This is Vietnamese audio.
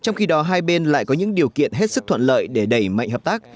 nên lại có những điều kiện hết sức thuận lợi để đẩy mạnh hợp tác